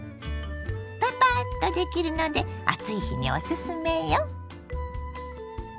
パパッとできるので暑い日におすすめよ。